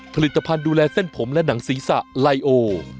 ผลิตภัณฑ์ดูแลเส้นผมและหนังศีรษะไลโอ